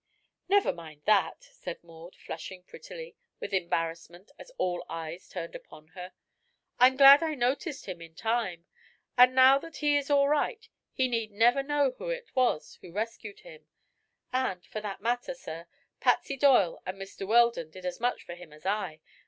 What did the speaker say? "Never mind that," said Maud, flushing prettily with embarrassment as all eyes turned upon her, "I'm glad I noticed him in time; but now that he is all right he need never know who it was that rescued him. And, for that matter, sir, Patsy Doyle and Mr. Weldon did as much for him as I.